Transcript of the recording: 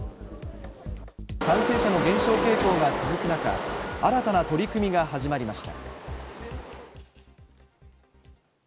感染者の減少傾向が続くなか、新たな取り組みが始まりました。